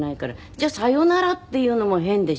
じゃあ「さよなら」って言うのも変でしょ。